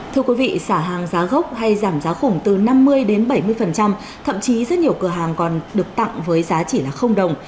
thưa quý vị xả hàng giá gốc hay giảm giá khủng từ năm mươi đến bảy mươi thậm chí rất nhiều cửa hàng còn được tặng với giá chỉ là đồng